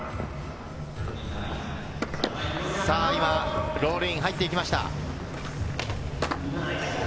今ロールイン、入っていきました。